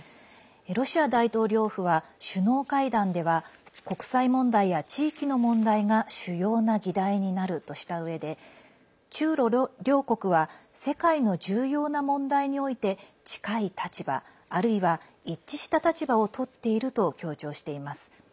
ロシア大統領府は、首脳会談では国際問題や地域の問題が主要な議題になるとしたうえで中ロ両国は、世界の重要な問題において近い立場あるいは一致した立場をとっていると強調しています。